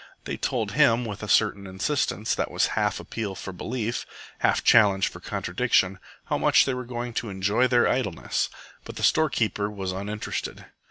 They told him, with a certain insistence, that was half appeal for belief, half challenge for contradiction, how much they were going to enjoy their idleness. But the storekeeper was uninterested.